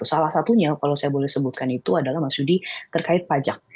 salah satunya kalau saya boleh sebutkan itu adalah mas yudi terkait pajak